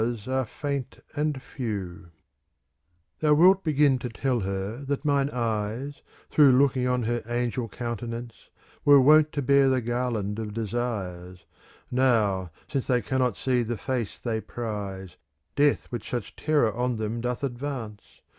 N. 25 CANZONIERE Thou wilt begin to tell her that mine eyes, * Through looking on her angel countenance, Were wont to bear the garland of desires. Now, since they cannot see the face they prize. Death with such terror on them doth advance.